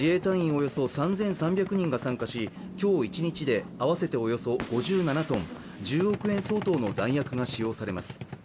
およそ３３００人が参加し、今日一日で合わせておよそ５７ｔ１０億円相当の弾薬が使用されます。